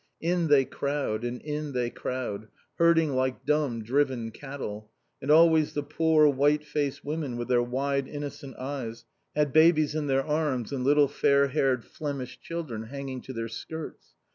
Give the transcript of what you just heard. In they crowd, and in they crowd, herding like dumb, driven cattle; and always the poor, white faced women with their wide, innocent eyes, had babies in their arms, and little fair haired Flemish children hanging to their skirts.